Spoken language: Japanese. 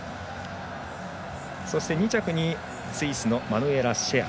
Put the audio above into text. そして２着にスイスのマヌエラ・シェア。